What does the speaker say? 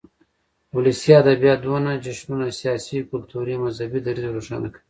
ولسي ادبيات دودنه، جشنونه ،سياسي، کلتوري ،مذهبي ، دريځ روښانه کوي.